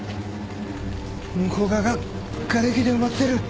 向こう側ががれきで埋まってる。